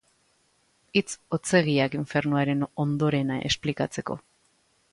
Hitz hotzegiak infernuaren ondorena esplikatzeko.